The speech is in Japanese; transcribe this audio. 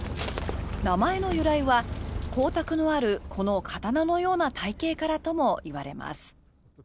名前の由来は光沢のあるこの刀のような体形からともいわれます。